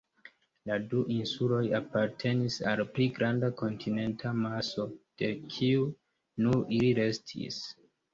La du insuloj apartenis al pli granda kontinenta maso, de kiu nur ili restis.